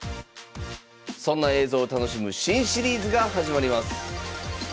そんな映像を楽しむ新シリーズが始まります。